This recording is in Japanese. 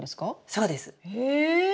そうです！え！